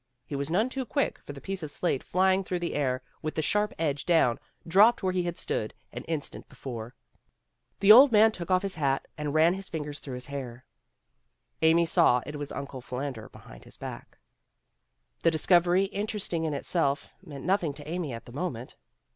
He was none too quick, for the piece of slate, flying through the air with the sharp edge down, dropped where he had stood an instant before. The old man took off his hat and ran his fingers THE LONGEST WEEK ON RECORD 125 through his hair. Amy saw it was Uncle Phil ander Behind His Back. The discovery, interesting in itself, meant nothing to Amy at the moment.